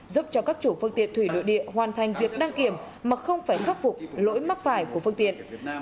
giúp cho các chủ phương tiện thủy nội địa hoàn thành việc đăng kiểm mà không phải khắc phục lỗi mắc phải của phương tiện